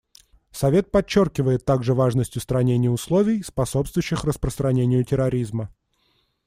Совет подчеркивает также важность устранения условий, способствующих распространению терроризма.